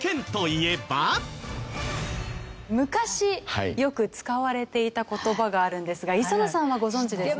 昔よく使われていた言葉があるんですが磯野さんはご存じですよね。